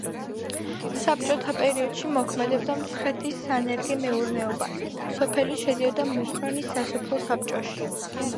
საბჭოთა პერიოდში მოქმედებდა მცხეთის სანერგე მეურნეობა, სოფელი შედიოდა მუხრანის სასოფლო საბჭოში.